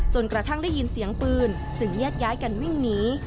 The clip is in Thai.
กระทั่งได้ยินเสียงปืนจึงแยกย้ายกันวิ่งหนี